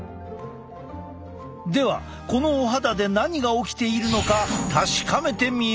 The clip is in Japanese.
ではこのお肌で何が起きているのか確かめてみよう！